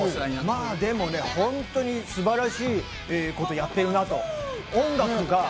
でもね、本当に素晴らしいことをやってるなと。